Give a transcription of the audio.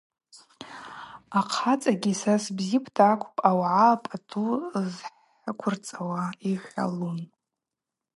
Ахъацӏагьи – Са сбзипӏта акӏвпӏ ауагӏа пӏатӏу зхӏыквырцӏауа, – йхӏвалун.